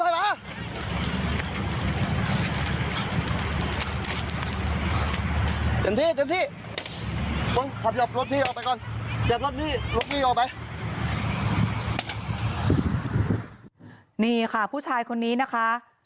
นี่ค่ะผู้ชายคนนี้นะคะ